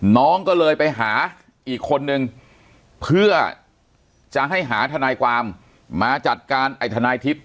น้องก็เลยไปหาอีกคนนึงเพื่อจะให้หาทนายความมาจัดการไอ้ทนายทิพย